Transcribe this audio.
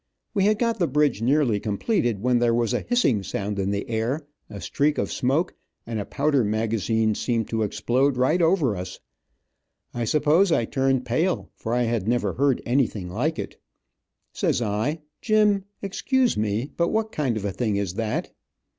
We had got the bridge nearly completed, when there was a hissing sound in the air, a streak of smoke, and a powder magazine seemed to explode right over us. I suppose I turned pale, for I had never heard anything like it. Says I, "Jim, excuse me, but what kind of a thing is that?" [Illustration: Xcuse me, but what kind of a thing is that?